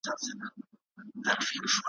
شیخان به نه وي ورک به یې پل وي `